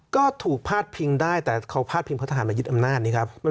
ก็ถูกพาดพิงได้แต่เขาพาดพิงเพราะทหารมายึดอำนาจนี้ครับ